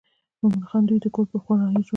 مومن خان دوی د کور پر خوا رهي شول.